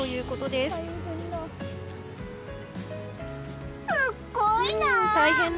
すっごいな！